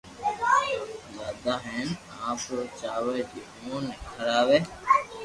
دآدا ھين آپ او چاور جي اووہ ني کراوي